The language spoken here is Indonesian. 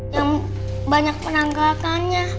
yang banyak penanggakannya